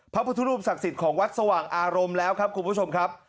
พระพุทธรูปศักดิ์สิทธิ์ของวัดสว่างอารมณ์แล้วครับคุณผู้ชมครับ